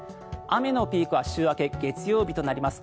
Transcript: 雨のピークは週明け、月曜日となります。